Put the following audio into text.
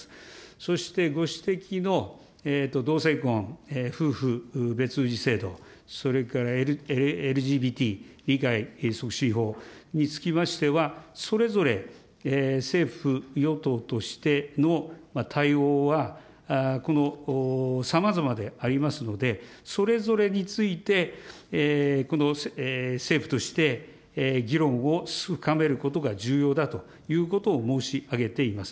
そしてご指摘の同性婚、夫婦別氏制度、それからＬＧＢＴ理解促進法につきましては、それぞれ政府・与党としての対応はこのさまざまでありますので、それぞれについて、政府として議論を深めることが重要だということを申し上げています。